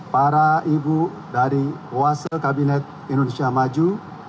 para ibu dari oase kabinet indonesia maju